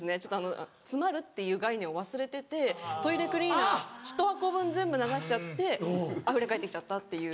詰まるっていう概念を忘れててトイレクリーナーひと箱分全部流しちゃってあふれ返ってきちゃったっていう。